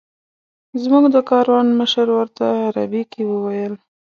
زموږ د کاروان مشر ورته عربي کې وویل.